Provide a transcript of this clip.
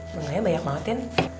makanya banyak mautin